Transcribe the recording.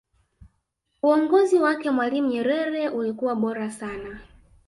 uongozi wake mwalimu nyerere ulikuwa bora sana